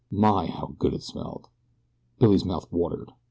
My, how good it smelled. Billy's mouth watered.